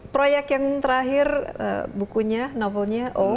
proyek yang terakhir bukunya novelnya o